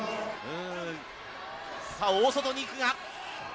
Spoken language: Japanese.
大外にいくが。